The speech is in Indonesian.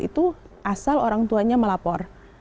itu asal orang tuanya melapor